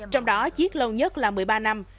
trong đó chiếc lâu nhất là một mươi ba năm